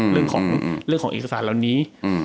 เรื่องของเอกสารเหล่านี้